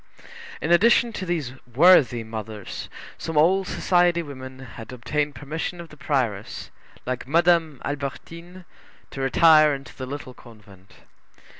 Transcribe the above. In addition to these worthy mothers, some old society women had obtained permission of the prioress, like Madame Albertine, to retire into the Little Convent.